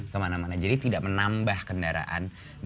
kemana mana jadi tidak menambah kendaraan